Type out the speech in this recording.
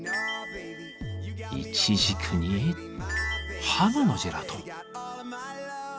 イチジクにハムのジェラート！